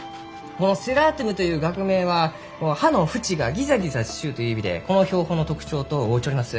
このｓｅｒｒａｔｕｍという学名は葉の縁がギザギザしちゅうという意味でこの標本の特徴と合うちょります。